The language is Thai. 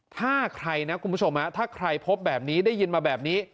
ถ้าใครนะคุณผู้ชมถ้าใครพบแบบนี้ได้ยินมาแบบนี้